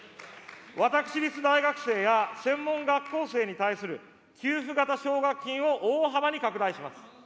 私立大学生や専門学校生に対する給付型奨学金を大幅に拡大します。